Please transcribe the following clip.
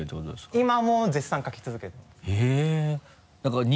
今も絶賛描き続けてます。